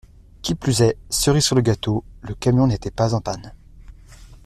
Qui plus est, cerise sur le gâteau : le camion n’était pas en panne.